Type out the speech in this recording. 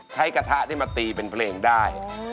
กระทะที่มาตีเป็นเพลงได้